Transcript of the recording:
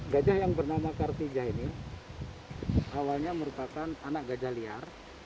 gajah yang bernama kartija ini awalnya merupakan anak gajah liar